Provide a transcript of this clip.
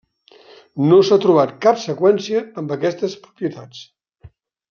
No s'ha trobat cap seqüència amb aquestes propietats.